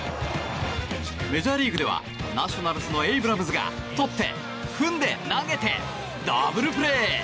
メジャーリーグではナショナルズのエイブラムズがとって、踏んで、投げてダブルプレー。